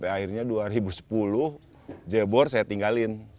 akhirnya dua ribu sepuluh jebor saya tinggalin